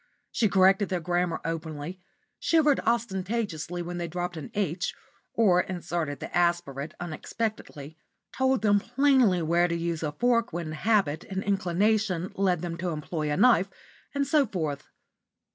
She corrected their grammar openly; shivered ostentatiously when they dropped an "h" or inserted the aspirate unexpectedly; told them plainly where to use a fork when habit and inclination led them to employ a knife, and so forth.